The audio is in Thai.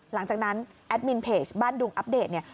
หลังจากนั้นแอดมินเพจบ้านดุงอัปเดตเนี่ย